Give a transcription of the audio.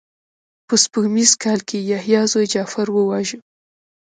په سپوږمیز کال کې یې یحیی زوی جغفر وواژه.